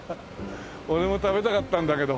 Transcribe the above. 俺も食べたかったんだけど。